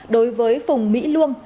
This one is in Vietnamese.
đối với phùng mỹ luông